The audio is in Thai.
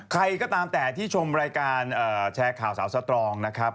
ใครก็ตามแต่ที่ชมรายการแชร์ข่าวสาวสตรองนะครับ